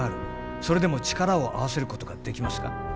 それでも力を合わせることができますか？